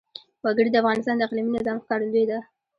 وګړي د افغانستان د اقلیمي نظام ښکارندوی ده.